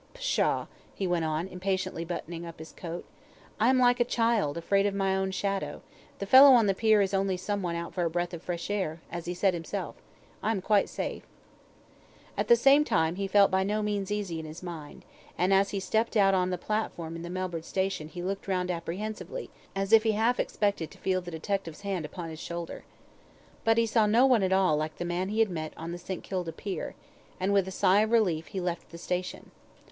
Pshaw!" he went on, impatiently buttoning up his coat. "I am like a child, afraid of my shadow the fellow on the pier is only some one out for a breath of fresh air, as he said himself I am quite safe." At the same time, he felt by no means easy in his mind, and as he stepped out on to the platform at the Melbourne station he looked round apprehensively, as if he half expected to feel the detective's hand upon his shoulder. But he saw no one at all like the man he had met on the St. Kilda pier, and with a sigh of relief he left the station.